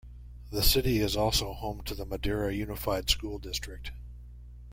The city is also home to the Madera Unified School District.